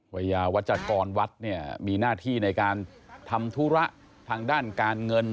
วัยยาวัชกรวัดเนี่ยมีหน้าที่ในการทำธุระทางด้านการเงิน